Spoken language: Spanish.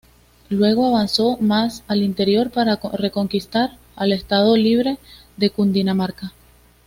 Luego avanzó más al interior, para reconquistar al Estado Libre de Cundinamarca.